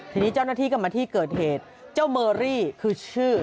ทีนี้เจ้าหน้าที่ก็มาที่เกิดเหตุเจ้าเมอรี่คือชื่อ